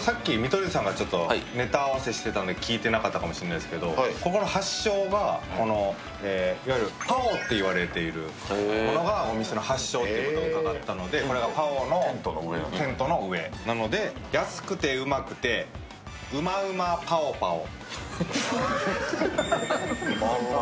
さっき見取り図さんがネタ打ち合わせしていたので聞いてなかったかもしれないですけど個々の発祥がいわゆるパオと言われているものがお店の発祥と伺ったのでこれがパオのテントの上なので、安くてウマくてウマウマパオパオ。